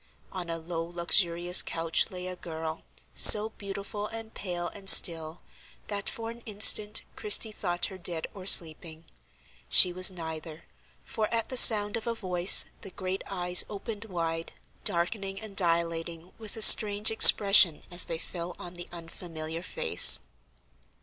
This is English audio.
On a low luxurious couch lay a girl, so beautiful and pale and still, that for an instant Christie thought her dead or sleeping. She was neither, for at the sound of a voice the great eyes opened wide, darkening and dilating with a strange expression as they fell on the unfamiliar face.